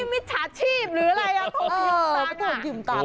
นี่มิจฉาชีพหรืออะไรโทรไปยืมตังค์